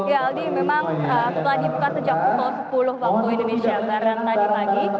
ya aldi memang itu lagi bukan sejak pukul sepuluh waktu indonesia barat tadi pagi